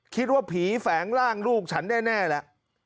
คิดว่าผีแฝงร่างลูกฉันแน่แล้ว